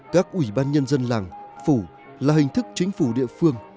các ủy ban nhân dân làng phủ là hình thức chính phủ địa phương